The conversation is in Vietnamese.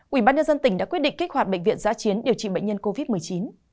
ủy ban nhân dân tỉnh đã quyết định kích hoạt bệnh viện giã chiến điều trị bệnh nhân covid một mươi chín